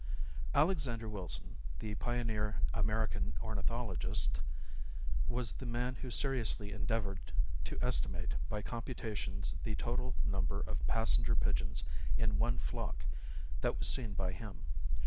Alexander Wilson, the pioneer American ornithologist, was the man who seriously endeavored to estimate by computations the total number of passenger pigeons in one flock that was seen by him.